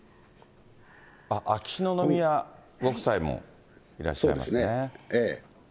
秋篠宮ご夫妻もいらっしゃいますね。